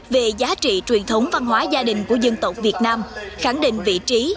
về giá trị truyền thống văn hóa gia đình của dân tộc việt nam khẳng định vị trí